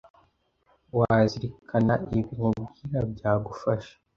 Wazirikana ibi nkubwira byagufasha